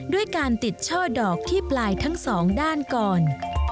ด้วยการติดช่อดอกที่ปลายทั้งสองด้านก่อน